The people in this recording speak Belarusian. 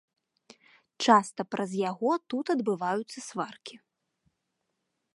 Часта праз яго тут адбываюцца сваркі.